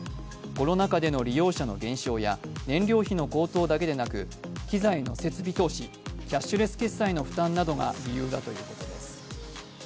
コロナ禍での利用者の減少や燃料費の高騰だけでなく、機材の設備投資、キャッシュレス決済などの負担などが理由だということです。